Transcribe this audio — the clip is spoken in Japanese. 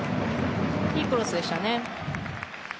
いいクロスでしたね。